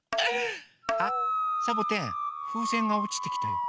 あっサボテンふうせんがおちてきたよ。